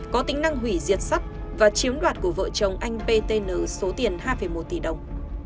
có tính năng hủy diệt sắt và chiếm đoạt của vợ chồng anh ptn số tiền hai một tỷ đồng